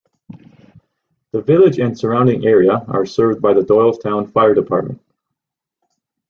The village and surrounding area are served by the Doylestown Fire Department.